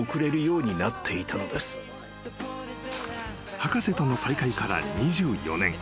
［博士との再会から２４年］